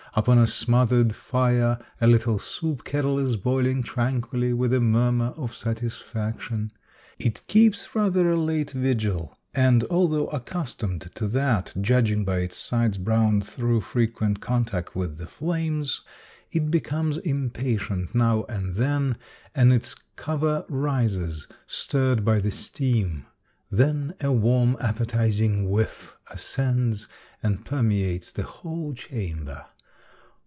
Upon a smothered fire a little soup kettle is boiling tranquilly with a murmur of satis faction. It keeps rather a late vigil, and although accustomed to that, judging by its sides browned through frequent contact with the flames, it becomes impatient now and then, and its cover rises, stirred by the steam ; then a warm, appetizing whiff as cends, and permeates the whole chamber.